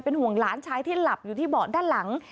ห่วงหลานชายที่หลับอยู่ที่เบาะด้านหลัง